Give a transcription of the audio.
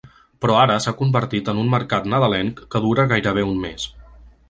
Però ara s’ha convertit en un mercat nadalenc que dura gairebé un mes.